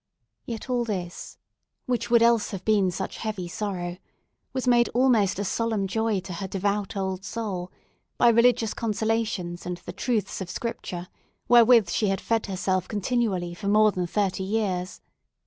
Yet all this, which would else have been such heavy sorrow, was made almost a solemn joy to her devout old soul, by religious consolations and the truths of Scripture, wherewith she had fed herself continually for more than thirty years.